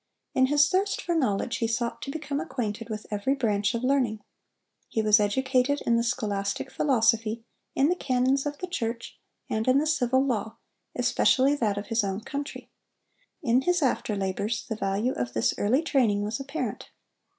In his thirst for knowledge he sought to become acquainted with every branch of learning. He was educated in the scholastic philosophy, in the canons of the church, and in the civil law, especially that of his own country. In his after labors the value of this early training was apparent.